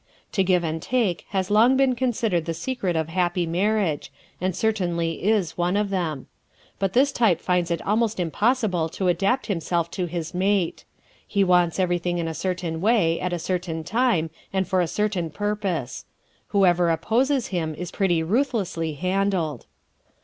To give and take has long been considered the secret of happy marriage and certainly is one of them. But this type finds it almost impossible to adapt himself to his mate. He wants everything in a certain way at a certain time and for a certain purpose. Whoever opposes him is pretty ruthlessly handled.